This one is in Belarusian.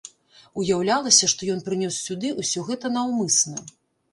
Уяўлялася, што ён прынёс сюды ўсё гэта наўмысна.